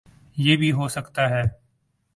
یہ بھی ہوسکتا ہے